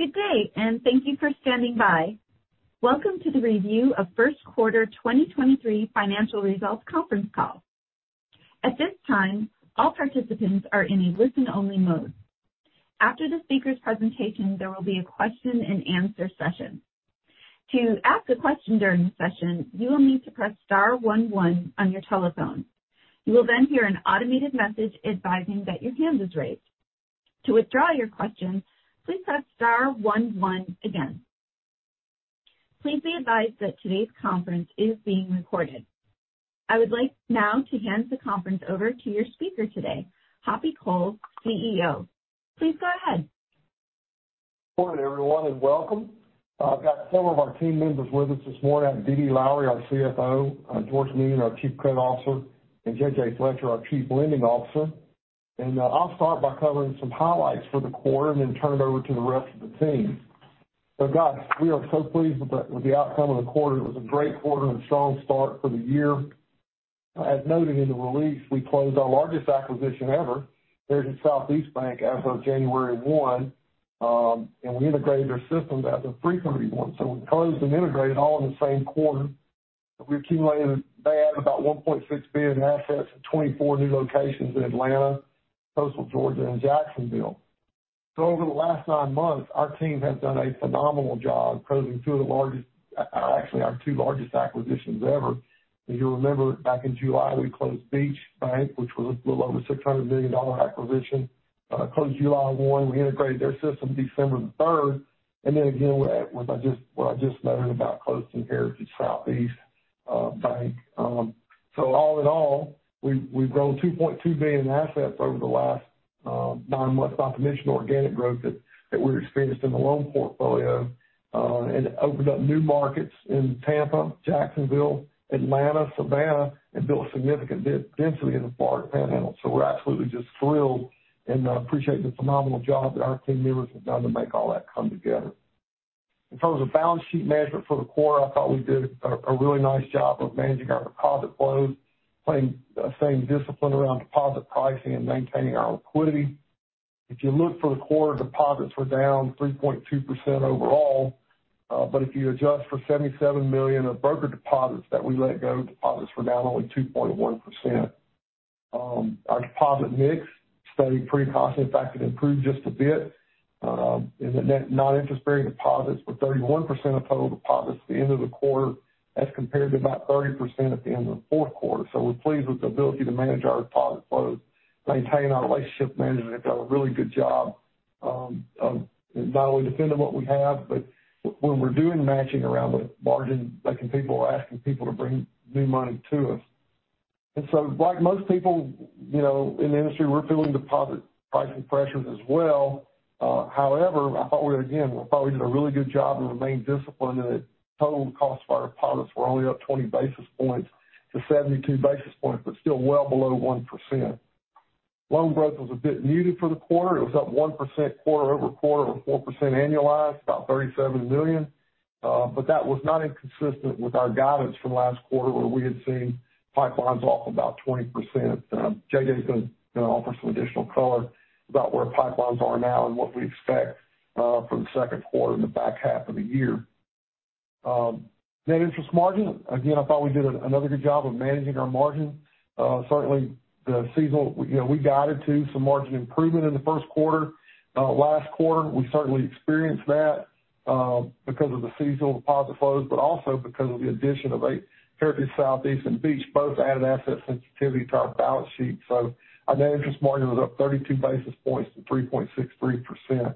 Good day, and thank you for standing by. Welcome to the review of first quarter 2023 financial results conference call. At this time, all participants are in a listen-only mode. After the speaker's presentation, there will be a question-and-answer session. To ask a question during the session, you will need to press star one one on your telephone. You will then hear an automated message advising that your hand is raised. To withdraw your question, please press star one one again. Please be advised that today's conference is being recorded. I would like now to hand the conference over to your speaker today, Hoppy Cole, CEO. Please go ahead. Good morning, everyone, and welcome. I've got several of our team members with us this morning. I have Dee Dee Lowery, our CFO, George Noonan, our Chief Credit Officer, and J.J. Fletcher, our Chief Lending Officer. I'll start by covering some highlights for the quarter and then turn it over to the rest of the team. Guys, we are so pleased with the outcome of the quarter. It was a great quarter and a strong start for the year. As noted in the release, we closed our largest acquisition ever, Heritage Southeast Bank, as of January 1, and we integrated their systems as of February 1. We closed and integrated all in the same quarter. They added about $1.6 billion in assets and 24 new locations in Atlanta, coastal Georgia, and Jacksonville. Over the last 9 months, our team has done a phenomenal job closing 2 of the largest, actually our 2 largest acquisitions ever. As you'll remember, back in July, we closed Beach Bank, which was a little over $600 million acquisition. Closed July 1, we integrated their system December 3. Again, with that, what I just noted about closing Heritage Southeast Bank. All in all, we've grown $2.2 billion in assets over the last 9 months, not to mention organic growth that we experienced in the loan portfolio, and opened up new markets in Tampa, Jacksonville, Atlanta, Savannah, and built significant de-density in the Florida Panhandle. We're absolutely just thrilled and appreciate the phenomenal job that our team members have done to make all that come together. In terms of balance sheet management for the quarter, I thought we did a really nice job of managing our deposit flows, playing the same discipline around deposit pricing and maintaining our liquidity. You look for the quarter, deposits were down 3.2% overall, but if you adjust for $77 million of broker deposits that we let go, deposits were down only 2.1%. Our deposit mix stayed pretty constant. In fact, it improved just a bit. And the net non-interest bearing deposits were 31% of total deposits at the end of the quarter as compared to about 30% at the end of the fourth quarter. We're pleased with the ability to manage our deposit flows, maintain our relationship management. They've done a really good job, not only defending what we have, but when we're doing matching around with margin, making people or asking people to bring new money to us. Like most people, you know, in the industry, we're feeling deposit pricing pressures as well. However, I thought we again did a really good job of remaining disciplined, and the total cost of our deposits were only up 20 basis points to 72 basis points, but still well below 1%. Loan growth was a bit muted for the quarter. It was up 1% quarter-over-quarter or 4% annualized, about $37 million. That was not inconsistent with our guidance from last quarter, where we had seen pipelines off about 20%. J.J. is gonna offer some additional color about where pipelines are now and what we expect for the second quarter and the back half of the year. Net interest margin, again, I thought we did another good job of managing our margin. Certainly the seasonal, you know, we guided to some margin improvement in the first quarter. Last quarter, we certainly experienced that because of the seasonal deposit flows, but also because of the addition of Heritage Southeast and Beach both added asset sensitivity to our balance sheet. Our net interest margin was up 32 basis points to 3.63%.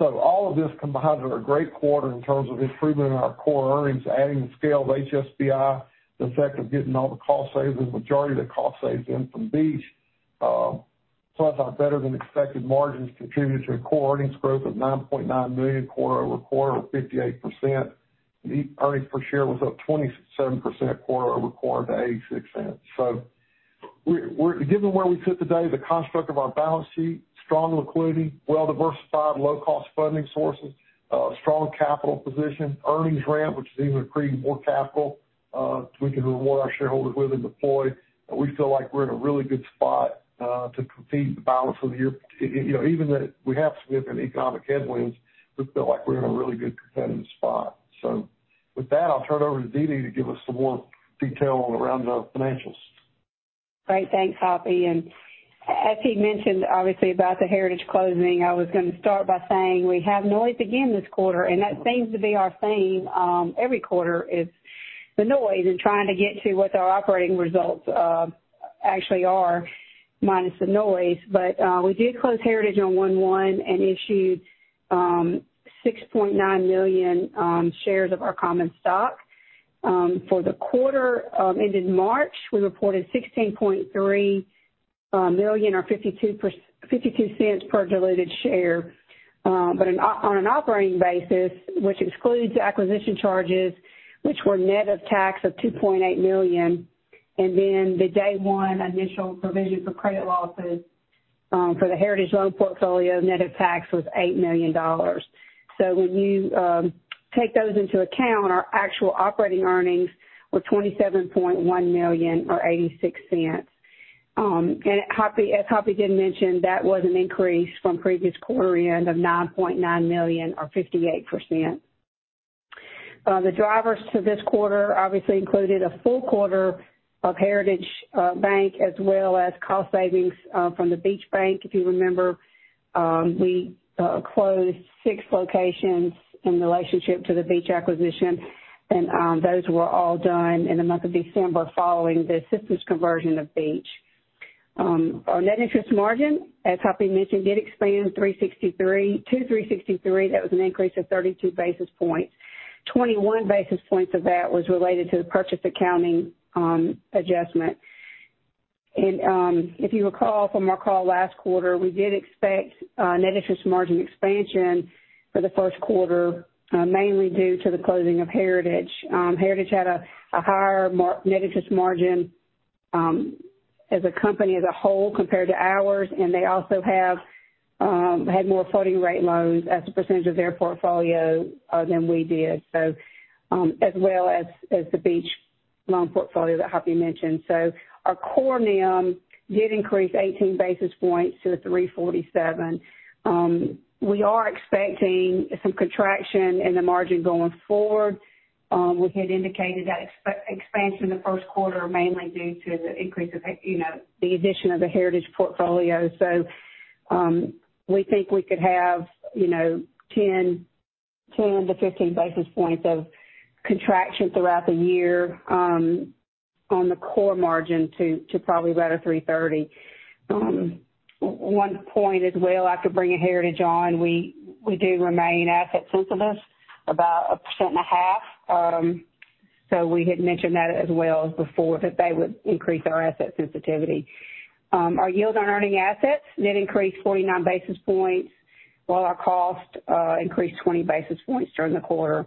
All of this combined with a great quarter in terms of improvement in our core earnings, adding the scale of HSBI, the effect of getting all the cost saves, the majority of the cost saves in from Beach. Plus our better than expected margins contributed to a core earnings growth of $9.9 million quarter-over-quarter of 58%. Earnings per share was up 27% quarter-over-quarter to $0.86. Given where we sit today, the construct of our balance sheet, strong liquidity, well-diversified, low-cost funding sources, strong capital position, earnings ramp, which is even creating more capital, we can reward our shareholders with and deploy. We feel like we're in a really good spot to compete the balance of the year. You know, even that we have significant economic headwinds, we feel like we're in a really good competitive spot. With that, I'll turn it over to Dee Dee to give us some more detail around the financials. Great. Thanks, Hoppy. As he mentioned, obviously, about the Heritage closing, I was gonna start by saying we have noise again this quarter, and that seems to be our theme, every quarter is the noise and trying to get to what our operating results actually are minus the noise. We did close Heritage on 1/1 and issued $6.9 million shares of our common stock. For the quarter ended March, we reported $16.3 million or $0.52 per diluted share. On an operating basis, which excludes acquisition charges, which were net of tax of $2.8 million, and then the day one initial provision for credit losses for the Heritage loan portfolio net of tax was $8 million. When you take those into account, our actual operating earnings were $27.1 million or $0.86. As Hoppy did mention, that was an increase from previous quarter end of $9.9 million or 58%. The drivers to this quarter obviously included a full quarter of Heritage Bank, as well as cost savings from the Beach Bank. If you remember, we closed six locations in relationship to the Beach acquisition, and those were all done in the month of December following the systems conversion of Beach. Our net interest margin, as Hoppy mentioned, did expand to 3.63%. That was an increase of 32 basis points. 21 basis points of that was related to the purchase accounting adjustment. If you recall from our call last quarter, we did expect net interest margin expansion for the first quarter, mainly due to the closing of Heritage. Heritage had a higher net interest margin as a company as a whole compared to ours, and they also have had more floating rate loans as a percentage of their portfolio than we did, as well as the Beach loan portfolio that Hoppy mentioned. Our core NIM did increase 18 basis points to the 3.47%. We are expecting some contraction in the margin going forward. We had indicated that expansion in the first quarter, mainly due to the increase of, you know, the addition of the Heritage portfolio. We think we could have, you know, 10-15 basis points of contraction throughout the year, on the core margin to probably about a 3.30%. One point as well I could bring in here to John, we do remain asset sensitive, about 1.5%. We had mentioned that as well before that they would increase our asset sensitivity. Our yield on earning assets net increased 49 basis points, while our cost increased 20 basis points during the quarter.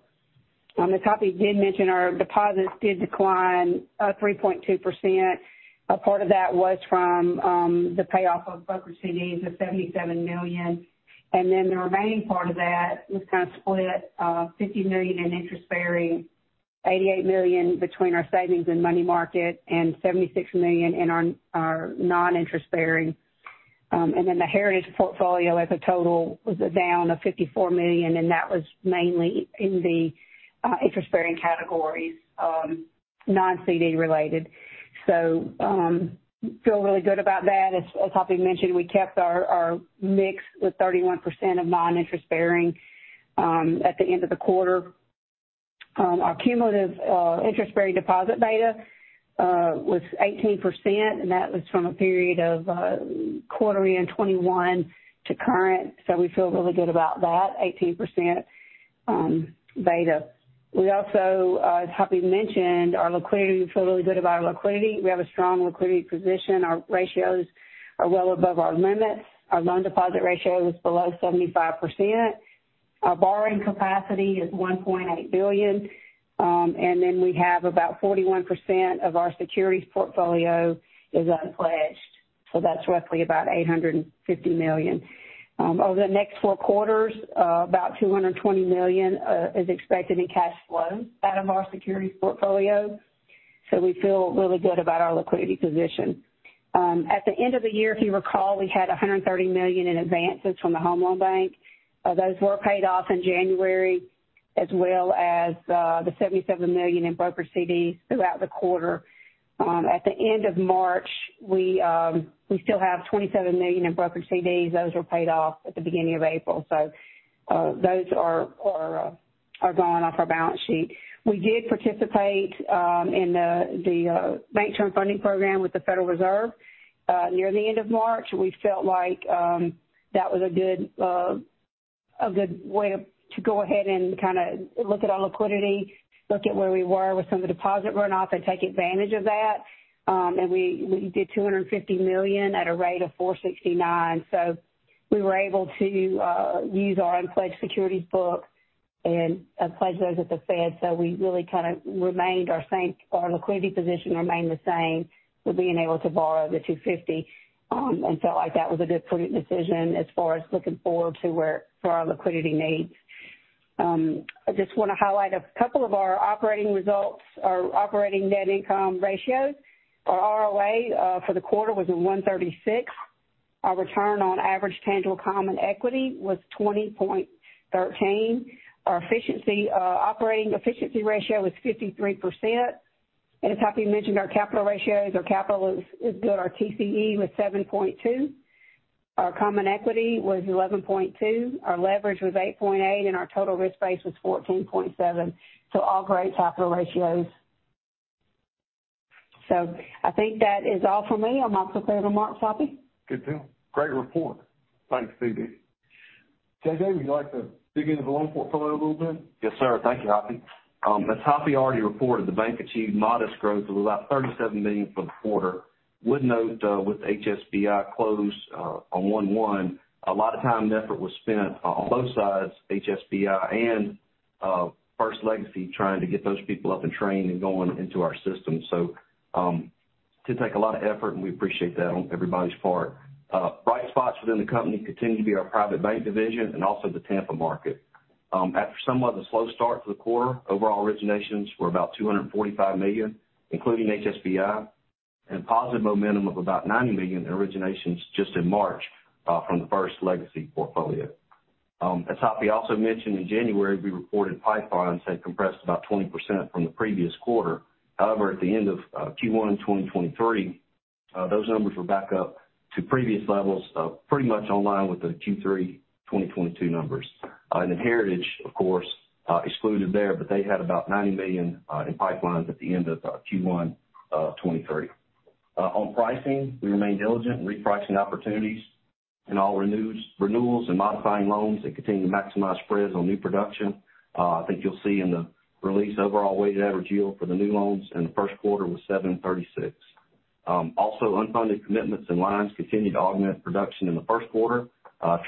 As Hoppy did mention, our deposits did decline 3.2%. A part of that was from the payoff of broker CDs of $77 million. The remaining part of that was kind of split, $50 million in interest bearing, $88 million between our savings and money market, and $76 million in our non-interest bearing. The Heritage portfolio as a total was down of $54 million, and that was mainly in the interest bearing categories, non-CD related. Feel really good about that. As Hoppy mentioned, we kept our mix with 31% of non-interest bearing at the end of the quarter. Our cumulative interest bearing deposit beta was 18%, and that was from a period of quarter end 2021 to current. We feel really good about that 18% beta. We also, as Hoppy mentioned, our liquidity. We feel really good about our liquidity. We have a strong liquidity position. Our ratios are well above our limits. Our loan deposit ratio is below 75%. Our borrowing capacity is $1.8 billion. We have about 41% of our securities portfolio is unpledged, so that's roughly about $850 million. Over the next four quarters, about $220 million is expected in cash flow out of our securities portfolio. We feel really good about our liquidity position. At the end of the year, if you recall, we had $130 million in advances from the Home Loan Bank. Those were paid off in January as well as the $77 million in broker CDs throughout the quarter. At the end of March, we still have $27 million in broker CDs. Those were paid off at the beginning of April. Those are gone off our balance sheet. We did participate in the Bank Term Funding Program with the Federal Reserve near the end of March. We felt like that was a good, a good way to go ahead and kinda look at our liquidity, look at where we were with some of the deposit runoff and take advantage of that. We did $250 million at a rate of 4.69%. We were able to use our unpledged securities book and pledge those at the Fed. We really kind of our liquidity position remained the same with being able to borrow the $250. Felt like that was a good prudent decision as far as looking forward to for our liquidity needs. I just wanna highlight a couple of our operating results, our operating net income ratios. Our ROA for the quarter was at 1.36%. Our return on average tangible common equity was 20.13%. Our efficiency operating efficiency ratio was 53%. As Hoppy mentioned, our capital ratios or capital is good. Our TCE was 7.2%. Our common equity was 11.2%. Our leverage was 8.8%, and our total risk base was 14.7%. All great capital ratios. I think that is all for me. I'm also clear the marks, Hoppy. Good deal. Great report. Thanks, Dee Dee. J.J., would you like to dig into the loan portfolio a little bit? Yes, sir. Thank you, Hoppy. As Hoppy already reported, the bank achieved modest growth of about $37 million for the quarter. Would note, with HSBI closed, on January 1, a lot of time and effort was spent on both sides, HSBI and First Legacy, trying to get those people up and trained and going into our system. To take a lot of effort, and we appreciate that on everybody's part. Bright spots within the company continue to be our Private Banking division and also the Tampa market. After somewhat of a slow start to the quarter, overall originations were about $245 million, including HSBI, and positive momentum of about $90 million in originations just in March, from the First Legacy portfolio. As Hoppy also mentioned, in January, we reported pipelines had compressed about 20% from the previous quarter. At the end of Q1 in 2023, those numbers were back up to previous levels, pretty much in line with the Q3 2022 numbers. Heritage, of course, excluded there, but they had about $90 million in pipelines at the end of Q1 2023. On pricing, we remain diligent in repricing opportunities in all renewals and modifying loans that continue to maximize spreads on new production. I think you'll see in the release overall weighted average yield for the new loans in the first quarter was 7.36%. Also, unfunded commitments and lines continued to augment production in the first quarter.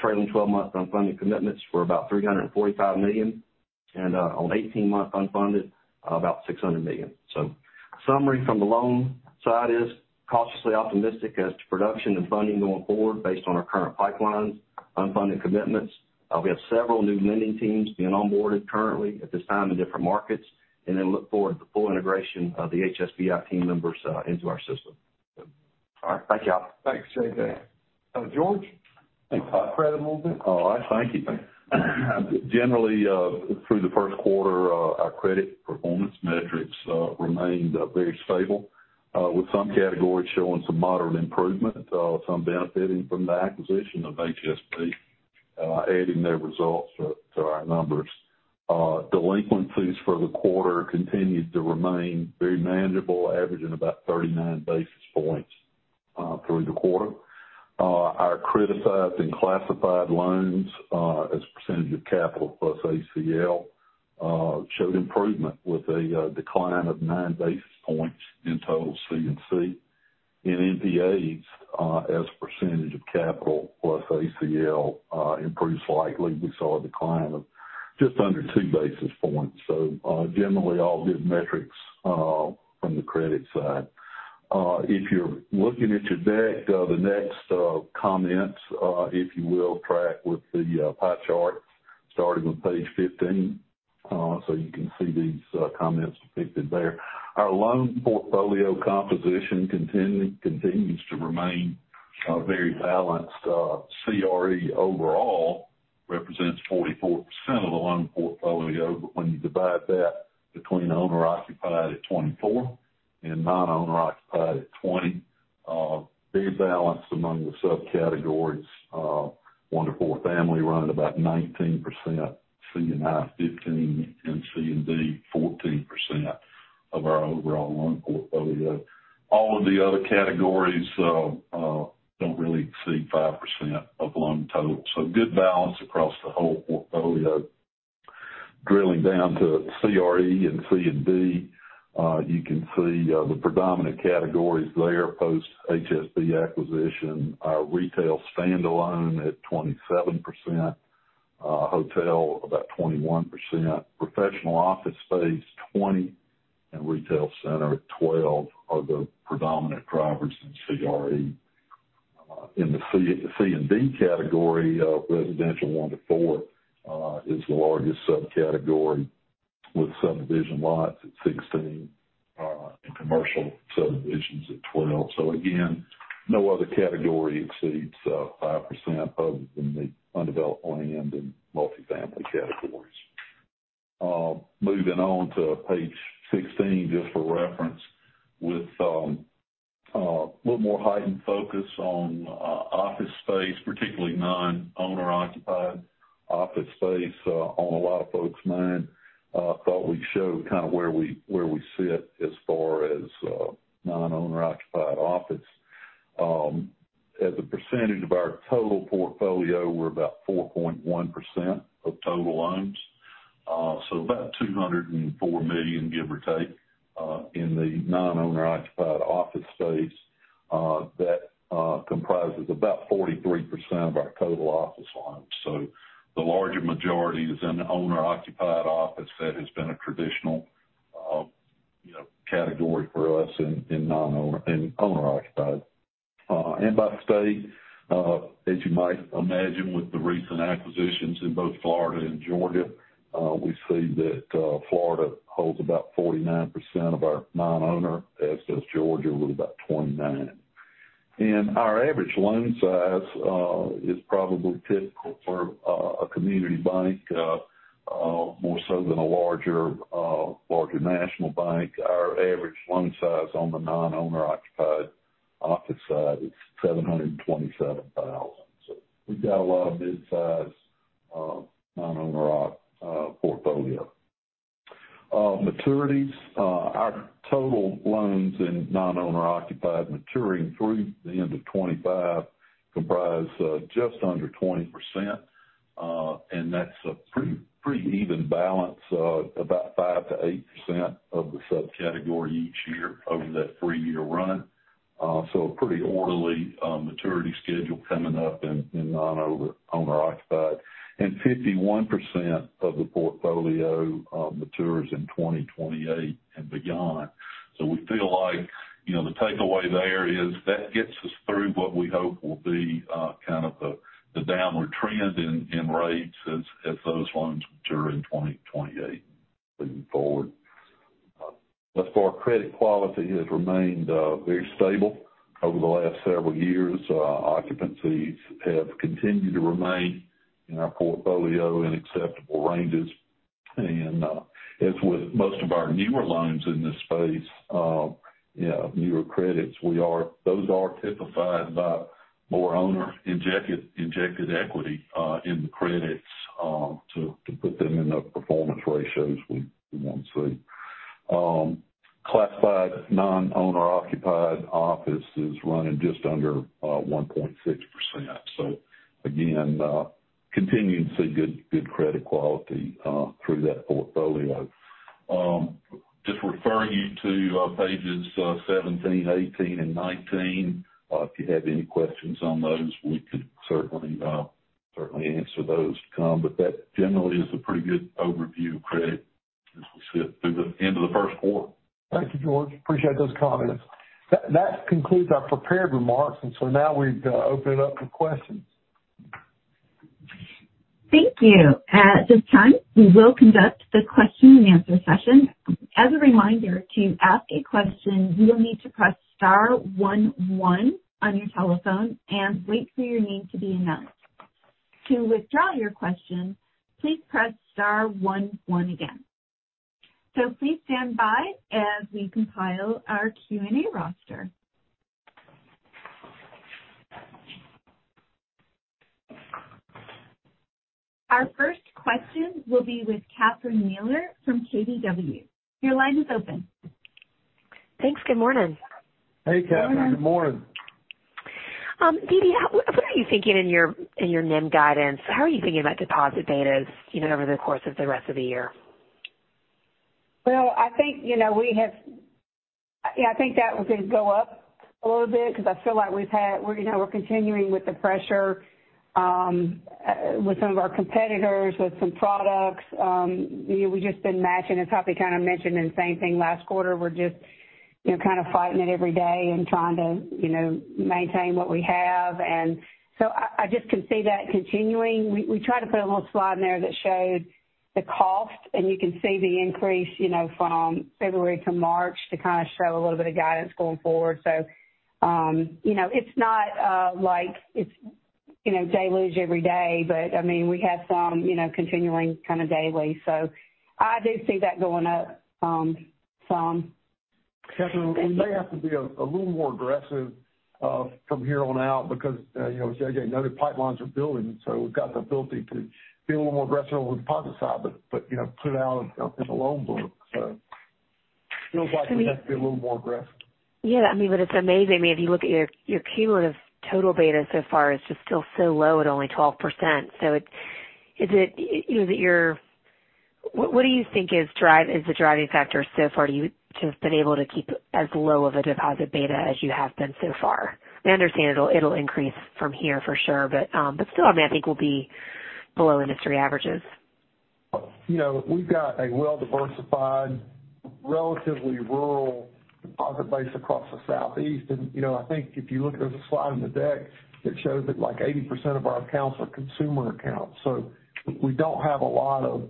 Trailing twelve-month unfunded commitments were about $345 million, and on eighteen-month unfunded, about $600 million. Summary from the loan side is cautiously optimistic as to production and funding going forward based on our current pipelines, unfunded commitments. We have several new lending teams being onboarded currently at this time in different markets, and then look forward to the full integration of the HSBI team members into our system. All right. Thank y'all. Thanks, J.J. George, take credit movement. All right. Thank you. Generally, through the first quarter, our credit performance metrics remained very stable, with some categories showing some moderate improvement, some benefiting from the acquisition of HSB, adding their results to our numbers. Delinquencies for the quarter continued to remain very manageable, averaging about 39 basis points through the quarter. Our criticized and classified loans, as a percentage of capital plus ACL, showed improvement with a decline of 9 basis points in total C&C. In NPAs, as a percentage of capital plus ACL, improved slightly. We saw a decline of just under 2 basis points. Generally all good metrics from the credit side. If you're looking at your deck, the next comments, if you will, track with the pie charts starting with page 15, so you can see these comments depicted there. Our loan portfolio composition continues to remain very balanced. CRE overall represents 44% of the loan portfolio, but when you divide that between owner-occupied at 24 and non-owner occupied at 20, they're balanced among the subcategories. One to four family run at about 19%, C&I 15, and C&D 14% of our overall loan portfolio. All of the other categories don't really exceed 5% of loan total. Good balance across the whole portfolio. Drilling down to CRE and C&D, you can see, the predominant categories there post HSB acquisition are retail standalone at 27%, hotel about 21%, professional office space 20, and retail center at 12 are the predominant drivers in CRE. In the C&D category, residential 1-4 is the largest subcategory with subdivision lots at 16, and commercial subdivisions at 12. Again, no other category exceeds 5% other than the undeveloped land and multifamily categories. Moving on to page 16, just for reference, with a little more heightened focus on office space, particularly non-owner occupied office space, on a lot of folks' mind, I thought we'd show kind of where we sit as far as non-owner occupied office. As a percentage of our total portfolio, we're about 4.1% of total loans, so about $204 million, give or take, in the non-owner occupied office space. That comprises about 43% of our total office loans. The larger majority is in the owner-occupied office. That has been a traditional, you know, category for us in owner occupied. By state, as you might imagine with the recent acquisitions in both Florida and Georgia, we see that Florida holds about 49% of our non-owner, as does Georgia with about 29%. Our average loan size is probably typical for a community bank, more so than a larger national bank. Our average loan size on the non-owner occupied office side is $727,000. We've got a lot of mid-size, non-owner occ, portfolio. Maturities. Our total loans in non-owner occupied maturing through the end of 2025 comprise just under 20%. That's a pretty even balance of about 5%-8% of the subcategory each year over that 3-year run. A pretty orderly maturity schedule coming up in non-owner, owner-occupied. 51% of the portfolio matures in 2028 and beyond. We feel like, you know, the takeaway there is that gets us through what we hope will be kind of the downward trend in rates as those loans mature in 2028 moving forward. Thus far, credit quality has remained very stable over the last several years. Occupancies have continued to remain in our portfolio in acceptable ranges. As with most of our newer loans in this space, you know, newer credits, those are typified by more owner-injected equity in the credits to put them in the performance ratios we want to see. Classified non-owner occupied office is running just under 1.6%. Again, continuing to see good credit quality through that portfolio. Just referring you to pages 17, 18, and 19. If you had any questions on those, we could certainly answer those to come. That generally is a pretty good overview of credit as we sit through the end of the first quarter. Thank you, George. Appreciate those comments. That concludes our prepared remarks. Now we've opened it up for questions. Thank you. At this time, we will conduct the question and answer session. As a reminder, to ask a question, you'll need to press star one one on your telephone and wait for your name to be announced. To withdraw your question, please press star one one again. Please stand by as we compile our Q&A roster. Our first question will be with Catherine Mealor from KBW. Your line is open. Thanks. Good morning. Hey, Catherine. Good morning. Dee Dee, what are you thinking in your NIM guidance? How are you thinking about deposit betas even over the course of the rest of the year? Well, I think, you know, Yeah, I think that was going to go up a little bit because I feel like we're, you know, we're continuing with the pressure with some of our competitors, with some products. You know, we've just been matching. It's how we kind of mentioned and same thing last quarter. We're just, you know, kind of fighting it every day and trying to, you know, maintain what we have. I just can see that continuing. We, we tried to put a little slide in there that showed the cost, and you can see the increase, you know, from February to March to kind of show a little bit of guidance going forward. You know, it's not, like it's, you know, deluge every day, but I mean, we have some, you know, continuing kind of daily. I do see that going up, some. Catherine, we may have to be a little more aggressive from here on out because, you know, as J.J. noted, pipelines are building, so we've got the ability to be a little more aggressive on the deposit side, but, you know, put out up in the loan book. feels like we have to be a little more aggressive. Yeah, I mean, but it's amazing. I mean, if you look at your cumulative total beta so far is just still so low at only 12%. Is it, you know, what do you think is the driving factor so far? You just been able to keep as low of a deposit beta as you have been so far. I understand it'll increase from here for sure, but still, I mean, I think we'll be below industry averages. You know, we've got a well-diversified, relatively rural deposit base across the Southeast. You know, I think if you look, there's a slide in the deck that shows that like 80% of our accounts are consumer accounts. We don't have a lot of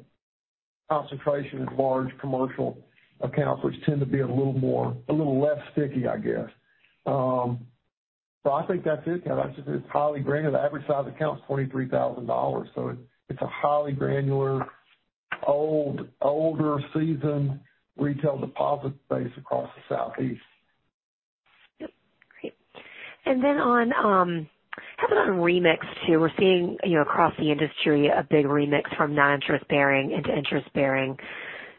concentration in large commercial accounts, which tend to be a little less sticky, I guess. I think that's it. That's just it's highly granular. The average size account is $23,000. It's a highly granular, older seasoned retail deposit base across the Southeast. Yep. Great. Then on, how about on remix too? We're seeing, you know, across the industry a big remix from non-interest bearing into interest bearing.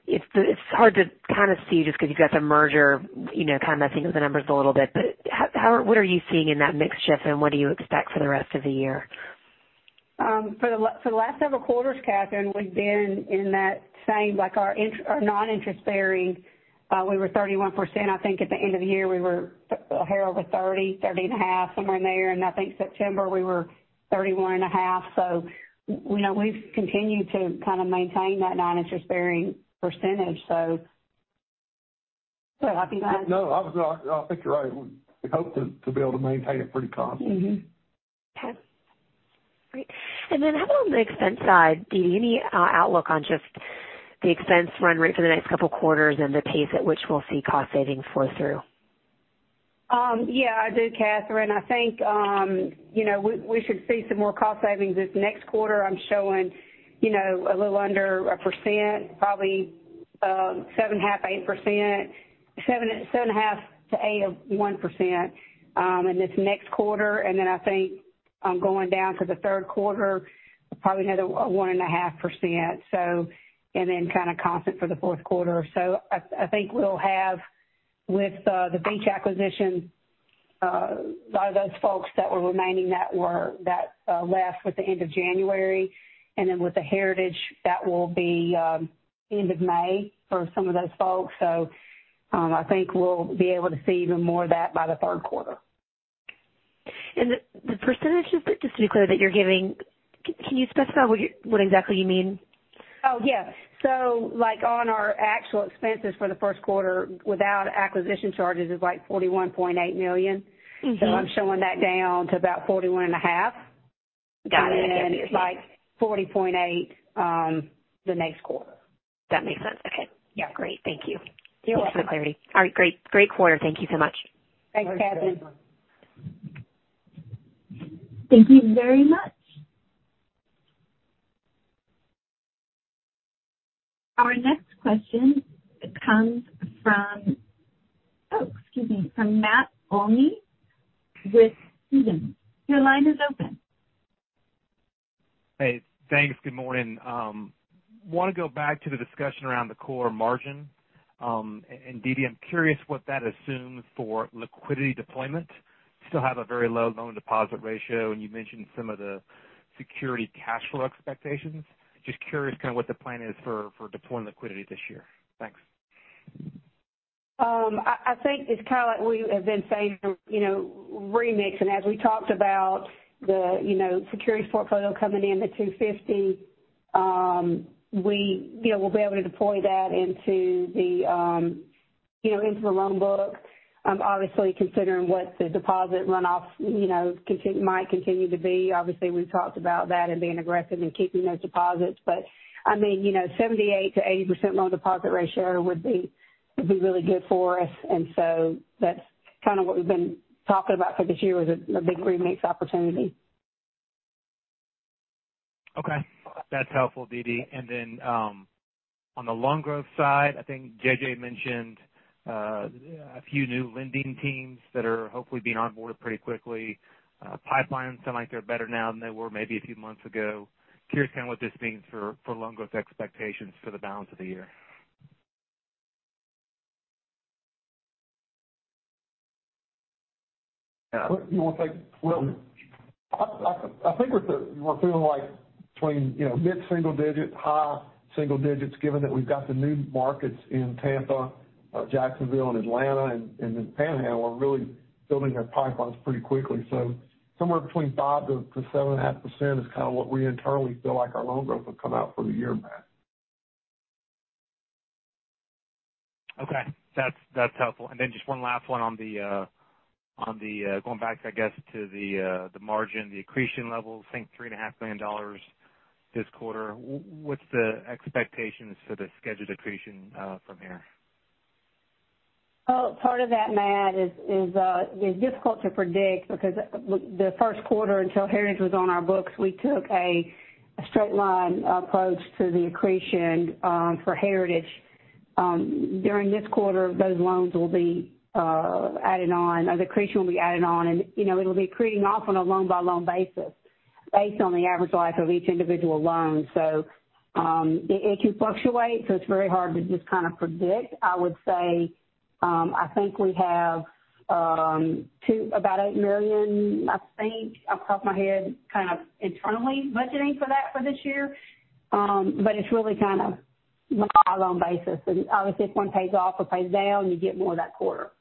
It's hard to kind of see just because you've got the merger, you know, kind of messing with the numbers a little bit. How, what are you seeing in that mix shift, and what do you expect for the rest of the year? For the last several quarters, Catherine, we've been in that same like our non-interest bearing, we were 31%. I think at the end of the year, we were a hair over 30 and a half, somewhere in there. I think September we were 31 and a half. You know, we've continued to kind of maintain that non-interest-bearing percentage. Would that be right? No, obviously, I think you're right. We hope to be able to maintain it pretty constant. Mm-hmm. Okay. Great. How about on the expense side? Do you have any outlook on just the expense run rate for the next couple quarters and the pace at which we'll see cost savings flow through? Yeah, I do, Catherine. I think, you know, we should see some more cost savings this next quarter. I'm showing, you know, a little under a percent, probably, 7.5%, 8%. 7.5%-8.1% in this next quarter. I think, going down to the third quarter, probably another 1.5%, and then kind of constant for the fourth quarter. I think we'll have with the Beach acquisition, a lot of those folks that were remaining that left with the end of January, and then with the Heritage, that will be end of May for some of those folks. I think we'll be able to see even more of that by the third quarter. Just to be clear that you're giving, can you specify what exactly you mean? Oh, yeah. Like on our actual expenses for the first quarter without acquisition charges is like $41.8 million. Mm-hmm. I'm showing that down to about forty-one and a half. Got it. It's like $40.8 the next quarter. That makes sense. Okay. Yeah. Great. Thank you. You're welcome. Thanks for the clarity. All right, great. Great quarter. Thank you so much. Thanks, Catherine. Thank you very much. Our next question comes from, oh, excuse me, from Matt Olney with Stephens. Your line is open. Hey, thanks. Good morning. wanna go back to the discussion around the core margin. Dee Dee, I'm curious what that assumes for liquidity deployment. You still have a very low loan deposit ratio, and you mentioned some of the security cash flow expectations. Just curious kinda what the plan is for deploying liquidity this year. Thanks. I think it's kind of like we have been saying, you know, remix. As we talked about the, you know, securities portfolio coming in at 2.50%, we, you know, we'll be able to deploy that into the, you know, into the loan book. Obviously, considering what the deposit runoff, you know, might continue to be. Obviously, we've talked about that and being aggressive in keeping those deposits. I mean, you know, 78%-80% loan-deposit ratio would be really good for us. That's kind of what we've been talking about for this year is a big remix opportunity. Okay. That's helpful, Dee Dee. On the loan growth side, I think J.J. mentioned a few new lending teams that are hopefully being onboarded pretty quickly. Pipelines sound like they're better now than they were maybe a few months ago. Curious kind of what this means for loan growth expectations for the balance of the year. You wanna take it? Well, I think we're feeling like between, you know, mid-single digit, high single digits, given that we've got the new markets in Tampa, Jacksonville, and Atlanta, and then Panhandle are really building their pipelines pretty quickly. Somewhere between 5% to 7.5% is kinda what we internally feel like our loan growth will come out for the year, Matt. Okay. That's helpful. Just one last one on the going back, I guess, to the margin, the accretion level. I think three and a half million dollars this quarter. What's the expectations for the scheduled accretion from here? Well, part of that, Matt, is difficult to predict because the first quarter until Heritage was on our books, we took a straight line approach to the accretion for Heritage. During this quarter, those loans will be added on, or the accretion will be added on. You know, it'll be accreting off on a loan-by-loan basis based on the average life of each individual loan. It can fluctuate, so it's very hard to just kinda predict. I would say, I think we have about $8 million, I think, off the top of my head, kind of internally budgeting for that for this year. But it's really kind of on a loan basis. Obviously, if one pays off or pays down, you get more that quarter,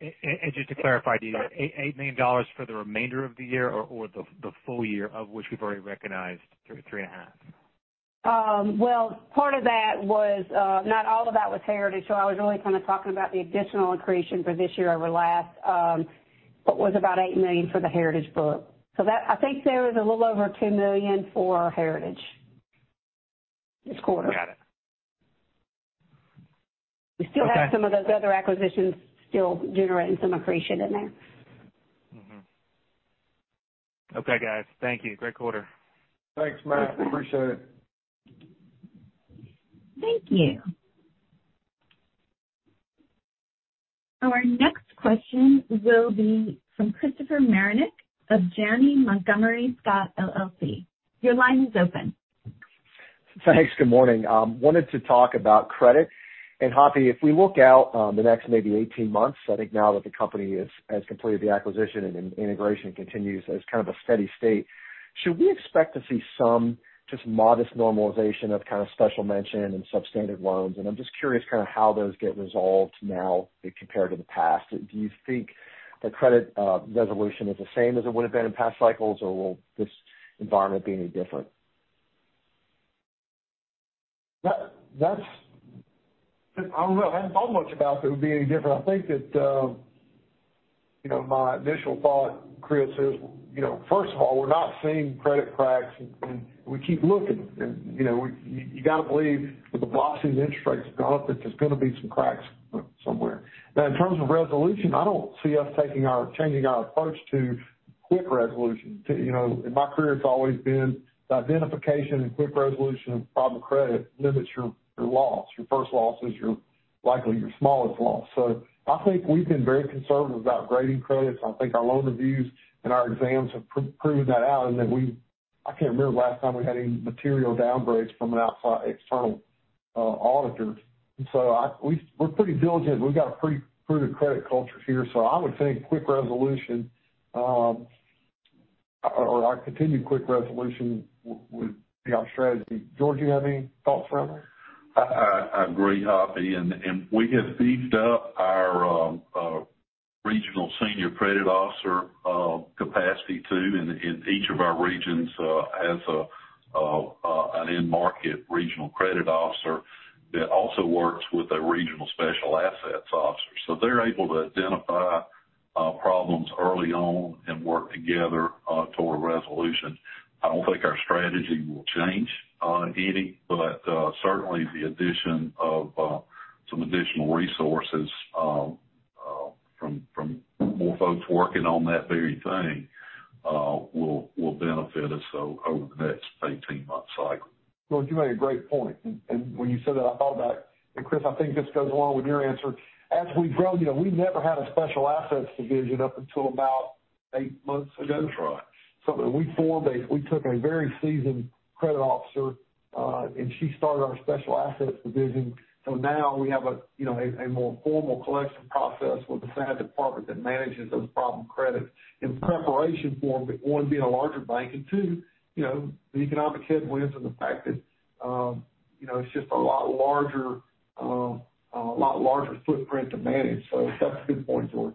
so. Just to clarify, do you have $8 million for the remainder of the year or the full year, of which we've already recognized three and a half? Part of that was not all of that was Heritage. I was really kinda talking about the additional accretion for this year over last, what was about $8 million for the Heritage book. I think there is a little over $2 million for Heritage this quarter. Got it. Okay. We still have some of those other acquisitions still generating some accretion in there. Okay, guys. Thank you. Great quarter. Thanks, Matt. Appreciate it. Thank you. Our next question will be from Christopher Marinac of Janney Montgomery Scott LLC. Your line is open. Thanks. Good morning. Hoppy, if we look out, the next maybe 18 months, I think now that the company has completed the acquisition and integration continues as kind of a steady state, should we expect to see some just modest normalization of kind of special mention and substandard loans? I'm just curious kind of how those get resolved now compared to the past. Do you think the credit resolution is the same as it would have been in past cycles, or will this environment be any different? That's, I don't know. I haven't thought much about if it would be any different. I think that, you know, my initial thought, Chris, is, you know, first of all, we're not seeing credit cracks, and we keep looking. You know, you gotta believe with the velocity of interest rates have gone up that there's gonna be some cracks somewhere. In terms of resolution, I don't see us changing our approach to quick resolution. To, you know, in my career, it's always been the identification and quick resolution of problem credit limits your loss. Your first loss is your, likely your smallest loss. I think we've been very conservative about grading credits. I think our loan reviews and our exams have proven that out and that I can't remember the last time we had any material downgrades from an outside external auditor. We're pretty diligent. We've got a pretty prudent credit culture here, so I would think quick resolution, or our continued quick resolution would be our strategy. George, you have any thoughts around that? I agree, Hoppy. We have beefed up our regional senior credit officer capacity too, and each of our regions has an in-market regional credit officer that also works with a regional Special Assets Officer. They're able to identify problems early on and work together toward a resolution. I don't think our strategy will change any, but certainly the addition of some additional resources from more folks working on that very thing will benefit us over the next 18-month cycle. George, you made a great point. When you said that, I thought about. Chris, I think this goes along with your answer. As we've grown, you know, we've never had a Special Assets division up until about eight months ago. That's right. we took a very seasoned credit officer, and she started our Special Assets division. Now we have a, you know, a more formal collection process with a separate department that manages those problem credits in preparation for, one, being a larger bank, and two, you know, the economic headwinds and the fact that, you know, it's just a lot larger, a lot larger footprint to manage. That's a good point, George.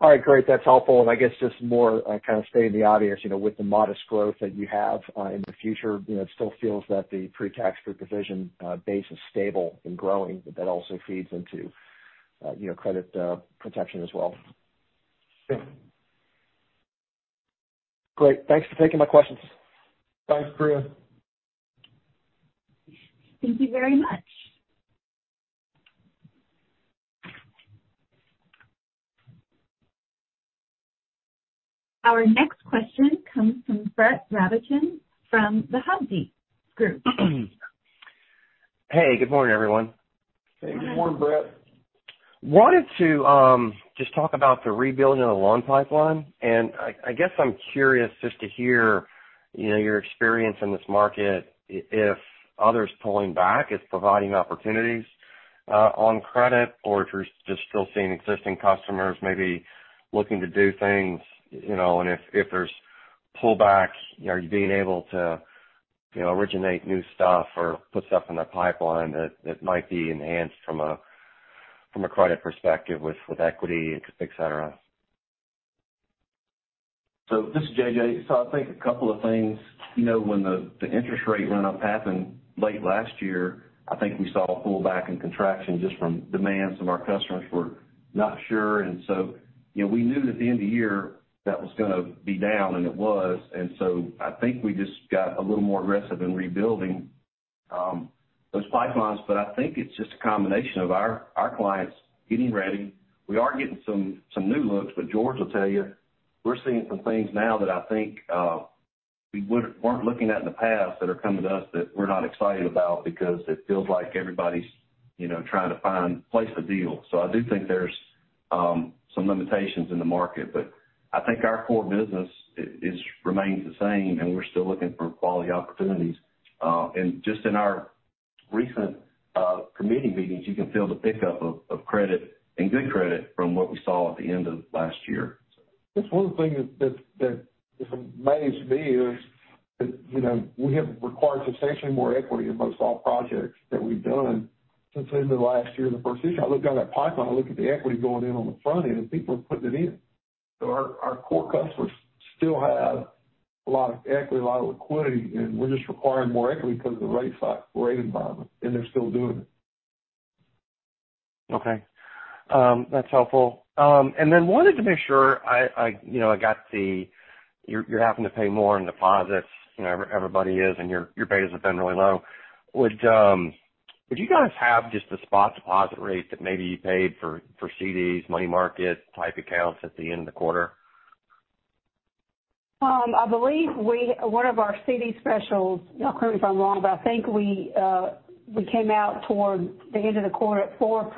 All right, great. That's helpful. I guess just more, kind of stay in the audience, you know, with the modest growth that you have, in the future, you know, it still feels that the pre-tax per division, base is stable and growing, but that also feeds into, you know, credit, protection as well. Yeah. Great. Thanks for taking my questions. Thanks. Thank you very much. Our next question comes from Brett Rabatin from The Hovde Group. Hey, good morning, everyone. Hey, good morning, Brett. Wanted to just talk about the rebuilding of the loan pipeline. I guess I'm curious just to hear, you know, your experience in this market if others pulling back is providing opportunities on credit or if you're just still seeing existing customers maybe looking to do things, you know, and if there's pullbacks, are you being able to, you know, originate new stuff or put stuff in the pipeline that might be enhanced from a credit perspective with equity, et cetera? This is J.J. I think a couple of things. You know, when the interest rate run up happened late last year, I think we saw a pullback in contraction just from demands from our customers who are not sure. You know, we knew that at the end of the year that was gonna be down, and it was. I think we just got a little more aggressive in rebuilding those pipelines. I think it's just a combination of our clients getting ready. We are getting some new looks, but George will tell you, we're seeing some things now that I think we weren't looking at in the past that are coming to us that we're not excited about because it feels like everybody's, you know, trying to find place a deal. I do think there's some limitations in the market. I think our core business remains the same. We're still looking for quality opportunities. Just in our recent committee meetings, you can feel the pickup of credit and good credit from what we saw at the end of last year. Just one thing that amazed me is that, you know, we have required substantially more equity in most all projects that we've done since the end of last year and the first issue. I look down that pipeline, I look at the equity going in on the front end, and people are putting it in. Our, our core customers still have a lot of equity, a lot of liquidity, and we're just requiring more equity because of the rate environment, and they're still doing it. Okay. That's helpful. Wanted to make sure I, you know, I got the... You're having to pay more in deposits, you know, everybody is, and your betas have been really low. Would you guys have just a spot deposit rate that maybe you paid for CDs, money market type accounts at the end of the quarter? I believe one of our CD specials, y'all correct me if I'm wrong, I think we came out towards the end of the quarter at 4%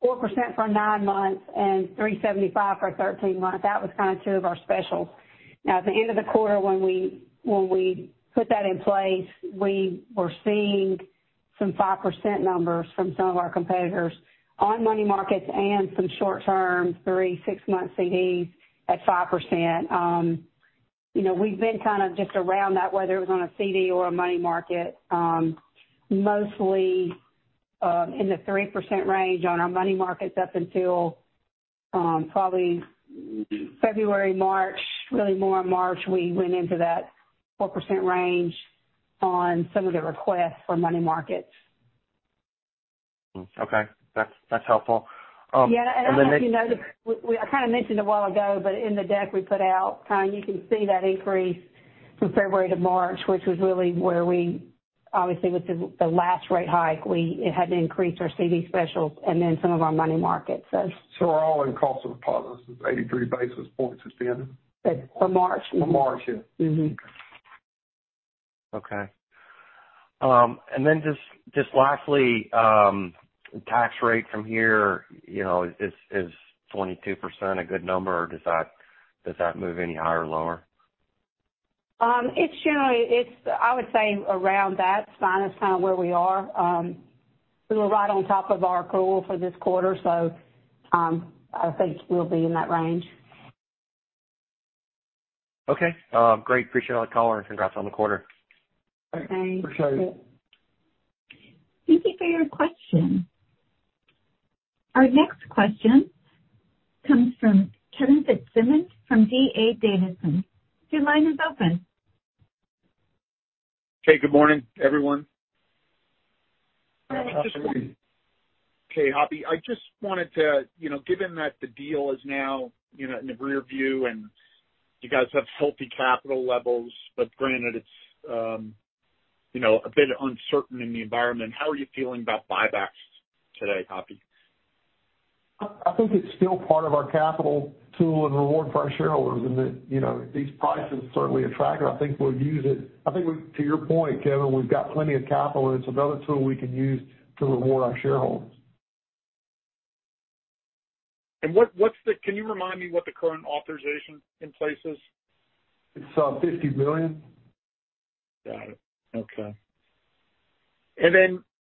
for nine months and 3.75% for 13 months. That was kind of two of our specials. At the end of the quarter when we put that in place, we were seeing some 5% numbers from some of our competitors on money markets and some short-term three, six-month CDs at 5%. You know, we've been kind of just around that, whether it was on a CD or a money market, mostly in the 3% range on our money markets up until probably February, March, really more March, we went into that 4% range on some of the requests for money markets. Okay. That's helpful. Next. I'll let you know, I kinda mentioned a while ago, but in the deck we put out, you can see that increase from February to March, which was really where we obviously with the last rate hike, we had to increase our CD specials and then some of our money markets so. We're all in cost of deposits is 83 basis points at the end. For March. For March, yeah. Okay. Just lastly, tax rate from here, you know, is 22% a good number or does that move any higher or lower? It's generally, it's I would say around that's fine. It's kind of where we are. We were right on top of our pool for this quarter, so, I think we'll be in that range. Okay. Great. Appreciate all the color and congrats on the quarter. Thanks. Appreciate it. Thank you for your question. Our next question comes from Kevin Fitzsimmons from D.A. Davidson. Your line is open. Hey, good morning, everyone. Good morning. Hoppy, I just wanted to, you know, given that the deal is now, you know, in the rear view and you guys have healthy capital levels, but granted it's, you know, a bit uncertain in the environment, how are you feeling about buybacks today, Hoppy? I think it's still part of our capital tool and reward for our shareholders. You know, these prices certainly attractive. I think we'll use it. I think we to your point, Kevin, we've got plenty of capital, and it's another tool we can use to reward our shareholders. What's the current authorization in place is? It's $50 billion. Got it. Okay.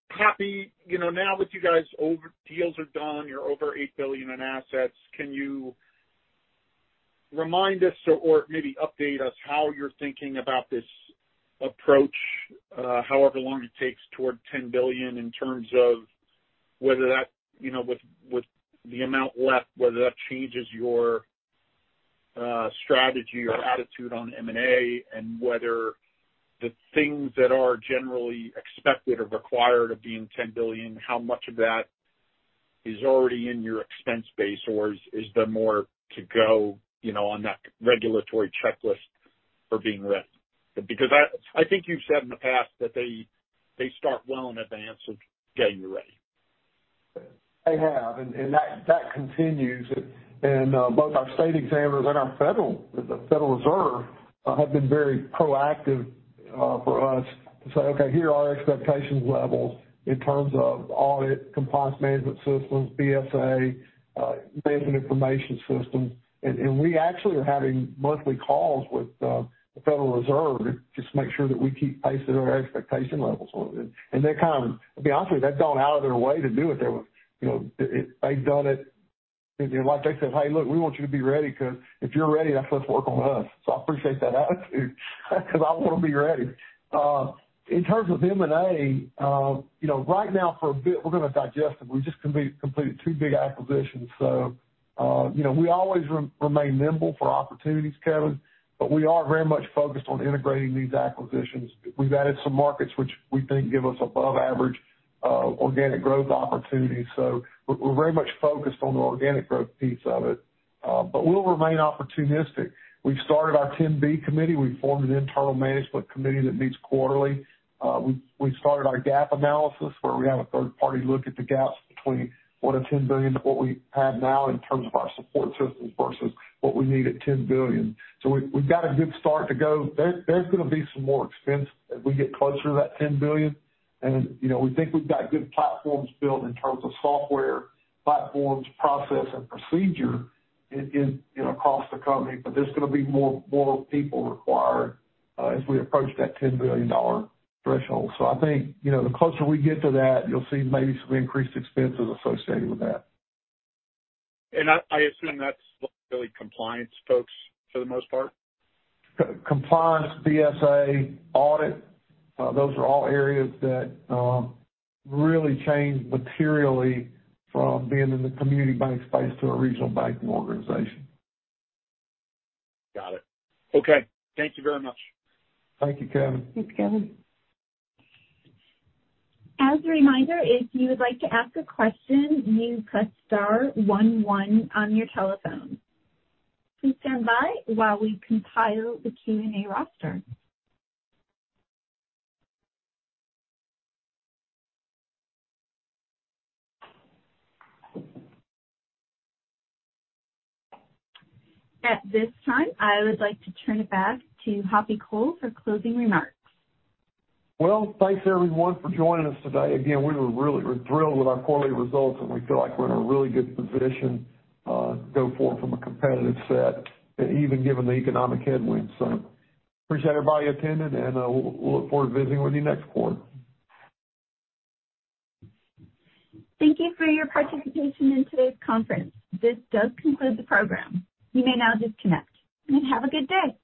Hoppy, you know, now with you guys over, deals are done, you're over $8 billion in assets. Can you remind us or maybe update us how you're thinking about this approach, however long it takes toward $10 billion in terms of whether that, you know, with the amount left, whether that changes your strategy or attitude on M&A and whether the things that are generally expected or required of being $10 billion, how much of that is already in your expense base, or is there more to go, you know, on that regulatory checklist for being ready? I think you've said in the past that they start well in advance of getting you ready. They have, that continues. Both our state examiners and our federal, the Federal Reserve, have been very proactive for us to say, okay, here are our expectations levels in terms of audit, compliance management systems, BSA, management information systems. We actually are having monthly calls with the Federal Reserve just to make sure that we keep pace at our expectation levels. They're to be honest with you, they've gone out of their way to do it. You know, they've done it. You know, like they said, "Hey, look, we want you to be ready because if you're ready, that's less work on us." I appreciate that attitude because I want to be ready. In terms of M&A, you know, right now for a bit, we're gonna digest them. We just completed two big acquisitions, you know, we always remain nimble for opportunities, Kevin, but we are very much focused on integrating these acquisitions. We've added some markets which we think give us above average organic growth opportunities. We're very much focused on the organic growth piece of it, but we'll remain opportunistic. We've started our 10-B committee. We formed an internal management committee that meets quarterly. We started our gap analysis, where we have a third party look at the gaps between $1 billion to $10 billion to what we have now in terms of our support systems versus what we need at $10 billion. We've got a good start to go. There's gonna be some more expense as we get closer to that $10 billion. You know, we think we've got good platforms built in terms of software platforms, process and procedure, you know, across the company. There's gonna be more people required as we approach that $10 billion threshold. I think, you know, the closer we get to that, you'll see maybe some increased expenses associated with that. I assume that's really compliance folks for the most part. Compliance, BSA, audit, those are all areas that really change materially from being in the community bank space to a regional banking organization. Got it. Okay. Thank you very much. Thank you, Kevin. Thanks, Kevin. As a reminder, if you would like to ask a question, you press star one one on your telephone. Please stand by while we compile the Q&A roster. At this time, I would like to turn it back to Hoppy Cole for closing remarks. Thanks, everyone, for joining us today. We were really thrilled with our quarterly results, and we feel like we're in a really good position, go forward from a competitive set, even given the economic headwinds. Appreciate everybody attending and, we'll look forward to visiting with you next quarter. Thank you for your participation in today's conference. This does conclude the program. You may now disconnect. Have a good day.